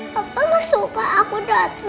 papa gak suka aku datang